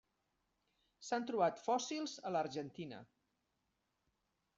S'han trobat fòssils a l'Argentina.